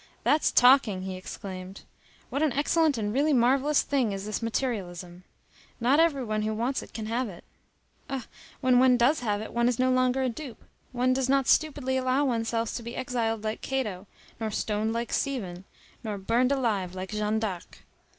"That's talking!" he exclaimed. "What an excellent and really marvellous thing is this materialism! Not every one who wants it can have it. Ah! when one does have it, one is no longer a dupe, one does not stupidly allow one's self to be exiled like Cato, nor stoned like Stephen, nor burned alive like Jeanne d'Arc.